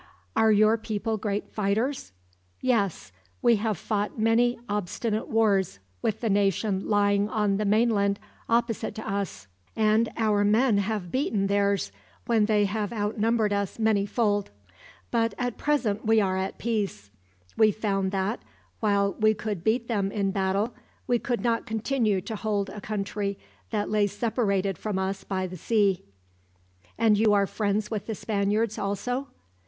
"Are your people great fighters?" "Yes. We have fought many obstinate wars with the nation lying on the mainland opposite to us, and our men have beaten theirs when they have outnumbered us many fold; but at present we are at peace. We found that, while we could beat them in battle, we could not continue to hold a country that lay separated from us by the sea." "And you are friends with the Spaniards also?"